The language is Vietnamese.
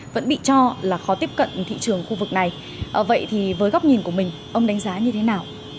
vẫn bị cho là khó tiếp cận thị trường khu vực này vậy thì với góc nhìn của mình ông đánh giá như thế nào